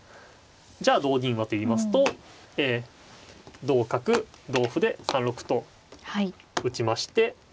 じゃあ同銀はといいますと同角同歩で３六歩と打ちまして。